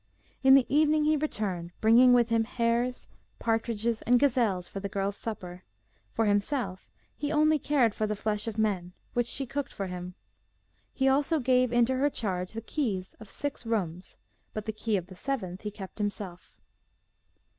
In the evening he returned, bringing with him hares, partridges, and gazelles, for the girl's supper; for himself he only cared for the flesh of men, which she cooked for him. He also gave into her charge the keys of six rooms, but the key of the seventh he kept himself.